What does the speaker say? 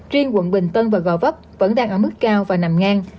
riêng quận bình tân và gò vấp vẫn đang ở mức cao và nằm ngang